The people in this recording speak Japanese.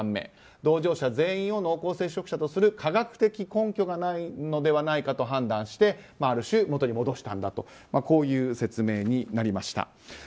同乗者全員を濃厚接触者とする科学的根拠がないのではないかと判断してある種、元に戻したんだというこういう説明になりました。